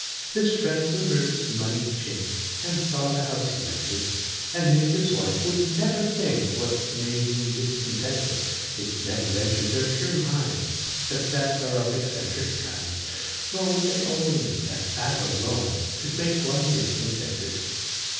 His friends, who heard his money chink, And saw the house he rented, And knew his wife, could never think What made him discontented. It never entered their pure minds That fads are of eccentric kinds, Nor would they own That fat alone Could make one discontented.